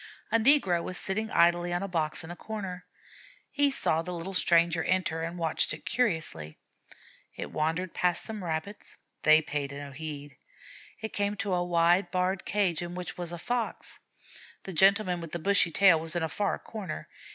A negro was sitting idly on a box in a corner. He saw the little stranger enter and watched it curiously. It wandered past some Rabbits. They paid no heed. It came to a wide barred cage in which was a Fox. The gentleman with the bushy tail was in a far corner.